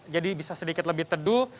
jadi bisa sedikit lebih teduh